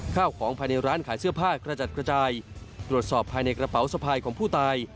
ข้าวของภายในร้านขายเสื้อผ้ากระจัดกระจายตรวจสอบภายในกระเป๋าสะพายของผู้ตาย